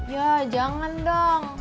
ya jangan dong